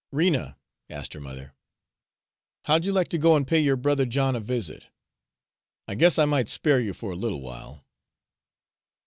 "Rena," asked her mother, "how'd you like to go an' pay yo'r brother John a visit? I guess I might spare you for a little while."